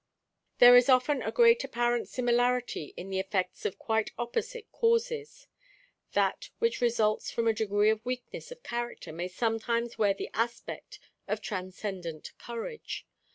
There is often a great apparent similarity in the effects of quite opposite causes. That which results from a degree of weakness of character may sometimes wear the aspect of transcendent courage.